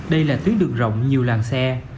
đây là tuyến đường rộng nhiều làng xe